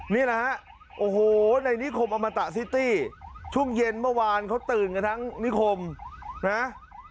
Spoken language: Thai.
นี่แหละฮะโอ้โหในนิคมอมตะซิตี้ช่วงเย็นเมื่อวานเขาตื่นกันทั้งนิคมนะ